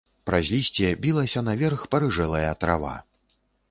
Праз лісце білася наверх парыжэлая трава.